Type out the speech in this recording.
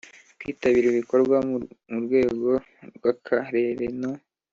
kwitabira ibikorwa mu rwego rw Akarere no